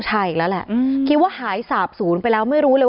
ใช่อีกแล้วแหละคิดว่าหายสาบศูนย์ไปแล้วไม่รู้เลย